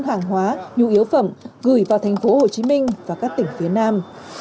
hàng hóa nhu yếu phẩm gửi vào thành phố hồ chí minh và các tỉnh phía nam